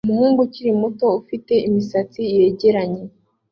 Umuhungu ukiri muto ufite imisatsi yegeranye